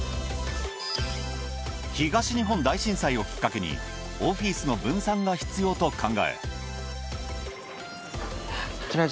東日本大震災をきかっけにオフィスの分散が必要と考え。